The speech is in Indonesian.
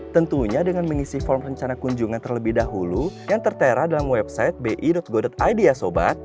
tentunya dengan mengisi form rencana kunjungan terlebih dahulu yang tertera dalam website bi go ida sobat